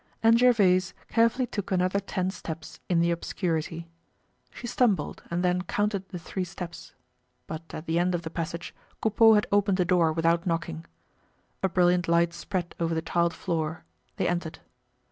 And Gervaise carefully took another ten steps in the obscurity. She stumbled and then counted the three steps. But at the end of the passage Coupeau had opened a door, without knocking. A brilliant light spread over the tiled floor. They entered.